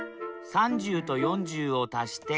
３０と４０を足して７０。